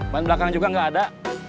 ban belakang juga gak ada